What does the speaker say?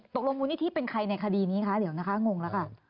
ตกลงมูลนิธิเป็นใครในคดีนี้คะเดี๋ยวนะคะงงแล้วค่ะ